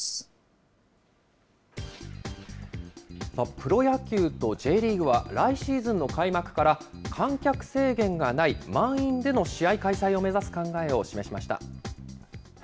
プロ野球とＪリーグは、来シーズンの開幕から、観客制限がない満員での試合開催を目指す考えを示しました。